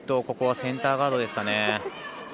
ここはセンターガードですかね。